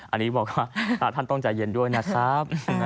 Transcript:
อันนี้บอกว่าท่านต้องใจเย็นด้วยนะครับ